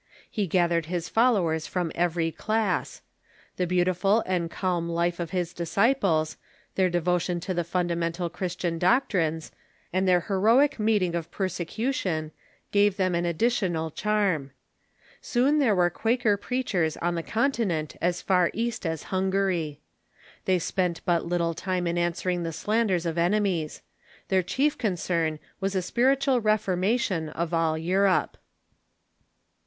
He gathered his followers from every class. The beautiful and calm life of bis disciples, their devotion to the fundamental Christian doc trines, and their heroic meeting of persecution, gave them an additional charm. Soon there were Quaker preachers on the Continent as far east as Hungary. They spent but little time in answering the slanders of enemies. Their chief concern was a spiritual reformation of all Europe.